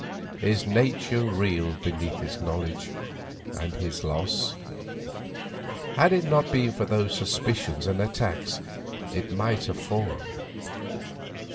His nature reeled beneath this knowledge and his loss. Had it not been for those suspicions and attacks it might have fallen.